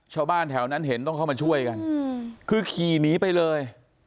ชาวบ้านแถวนั้นเห็นต้องเข้ามาช่วยกันคือขี่หนีไปเลย